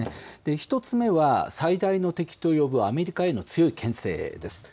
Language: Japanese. １つ目は最大の敵といえるアメリカへの強いけん制です。